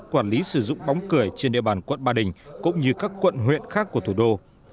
quản lý sử dụng bóng cười trên địa bàn quận ba đình cũng như các quận huyện khác của thủ đô